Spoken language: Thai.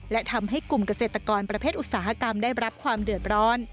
และทำให้กลุ่มเกษตรกรประเภทอุตสาหกรรมได้รับความเดือดร้อน